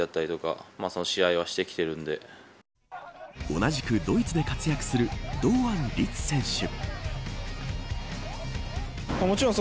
同じく、ドイツで活躍する堂安律選手。